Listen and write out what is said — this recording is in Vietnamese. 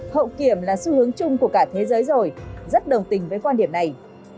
hậu kiểm là xu hướng chung của cả thế giới rồi rất đồng tình với quan điểm này